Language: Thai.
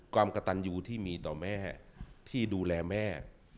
กระตันอยู่ที่มีต่อแม่ที่ดูแลแม่